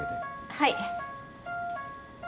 はい。